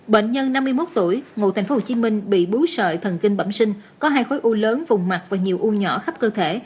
bệnh nhân năm mươi một tuổi ngụ tp hcm bị bú sợi thần kinh bẩm sinh có hai khối u lớn vùng mặt và nhiều u nhỏ khắp cơ thể